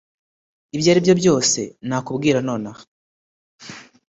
ibyo aribyo byose nakubwira nonaha